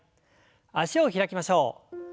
脚を開きましょう。